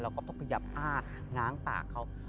ก็ต้องขยับอ้าง้างปากเขา